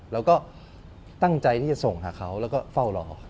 เราก็ตั้งใจที่จะส่งหาเขาแล้วก็เฝ้ารอ